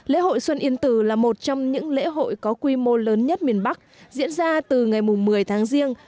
lễ hội xuân yên tử là một trong những lễ hội có quy mô lớn nhất miền bắc diễn ra từ ngày một mươi tháng riêng